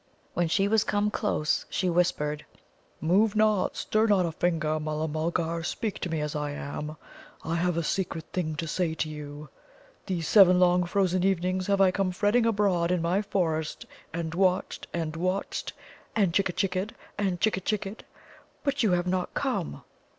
When she was come close, she whispered: "Move not; stir not a finger, Mulla mulgar; speak to me as I am. I have a secret thing to say to you. These seven long frozen evenings have I come fretting abroad in my forest and watched and watched, and chikka'd and chikka'd, but you have not come.